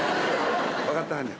分かってはんねん。